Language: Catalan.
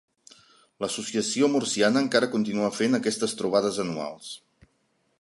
L’Associació Murciana encara continua fent aquestes trobades anuals.